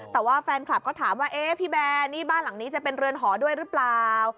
แต่ว่าแฟนคลับก็ถามว่าเอ๊ะพี่แบร์นี่บ้านหลังนี้จะเป็นเรือนหอด้วยหรือเปล่า